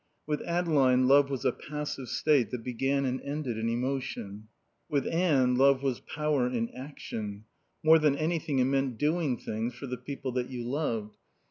With Adeline love was a passive state that began and ended in emotion. With Anne love was power in action. More than anything it meant doing things for the people that you loved.